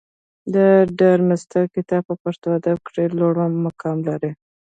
د ډارمستتر کتاب په پښتو ادب کښي لوړ مقام لري.